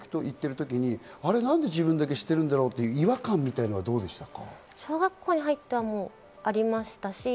小学校に行っている時に、なんで自分だけしているんだろうという違和感みたいなのはどうでしたか？